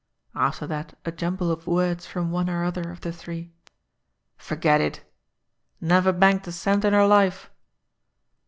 After that a jumble of words from one or other of the three :"... Forget it! ... Never banked a cent in her life.